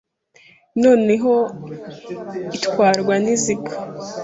Noneho itwarwa niziga